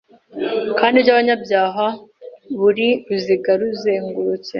Kandi ibyo abanyabyaha buri ruziga ruzengurutse